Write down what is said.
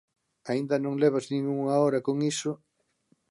Aínda non levas nin unha hora con iso.